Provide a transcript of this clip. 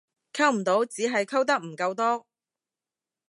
溝唔到只係溝得唔夠多